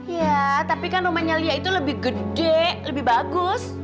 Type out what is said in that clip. ya tapi kan rumahnya lia itu lebih gede lebih bagus